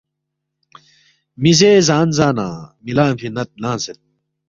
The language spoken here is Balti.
می زے زان زانہ می لنگفی ند لنگسید